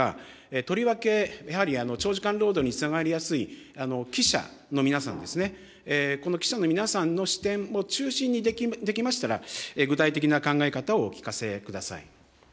とりわけ、やはり長時間労働につながりやすい記者の皆さんですね、この記者の皆さんの視点も中心に、できましたら具体的な考え方をお聞かせください。